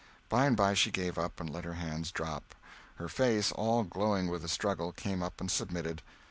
By and by she gave up, and let her hands drop; her face, all glowing with the struggle, came up and submitted.